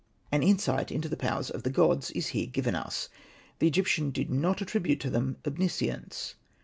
An insight into the powers of the gods is here given us. The Egyptian did not attri bute to them omniscience.